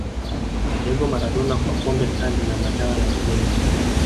diego maradona kwa pombe kali na madawa ya kulevya